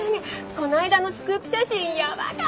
この間のスクープ写真やばかった！